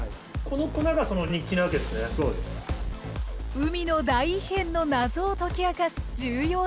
海の大異変の謎を解き明かす重要な工程。